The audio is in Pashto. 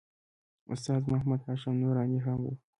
استاد محمد هاشم نوراني هم و.